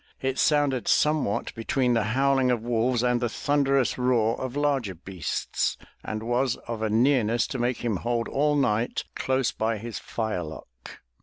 It sounded somewhat between the howling of wolves and the thunderous roar of larger beasts and was of a nearness to make him hold all night close by his firelock.